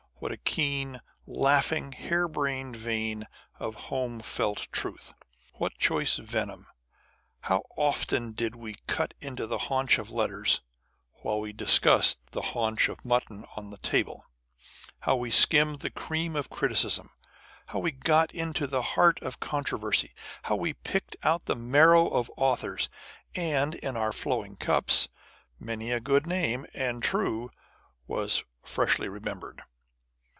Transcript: What a keen, laughing, hair brained vein of home felt truth ! What choice venom ! How often did we cut into the haunch of letters, while we discussed the haunch of mutton on the table ! How we skimmed the cream of criticism ! How we got into the heart of controversy ! How we picked out the marrow of authors !" And, in our flowing cups, many a good name and true was freshly remembered."